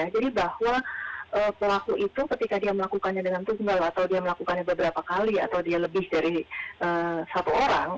jadi bahwa pelaku itu ketika dia melakukannya dengan jumlah atau dia melakukannya beberapa kali atau dia lebih dari satu orang